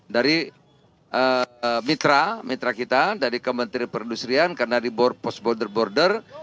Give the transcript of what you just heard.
dari mitra mitra kita dari kementerian perindustrian karena rebor post border border